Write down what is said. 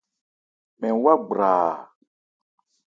Mɛn wá gbraa.